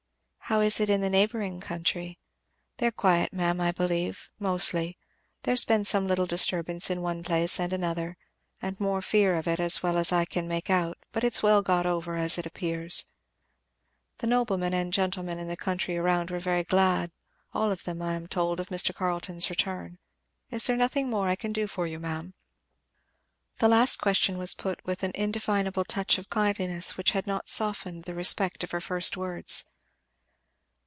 "How is it in the neighbouring country?" "They're quiet, ma'am, I believe, mostly there's been some little disturbance in one place and another, and more fear of it, as well as I can make out, but it's well got over, as it appears. The noblemen and gentlemen in the country around were very glad, all of them I am told, of Mr. Carleton's return. Is there nothing more I can do for you, ma'am?" The last question was put with an indefinable touch of kindliness which had not softened the respect of her first words.